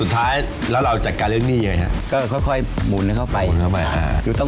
เพราะว่าที่นี่ไม่มีที่เล่น